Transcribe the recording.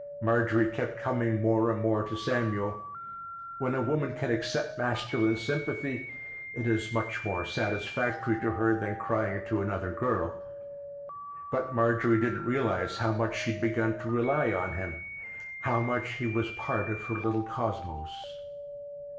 Marjorie kept coming more and more to Samuel; when a woman can accept masculine sympathy at is much more satisfactory to her than crying to another girl. But Marjorie didn't realize how much she had begun to rely on him, how much he was part of her little cosmos.